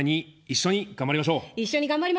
一緒に頑張りましょう。